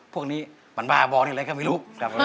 พวกนี้มันบ้าบอดอีกแล้วนะครับไม่รู้